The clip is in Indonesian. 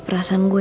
serius atau nggak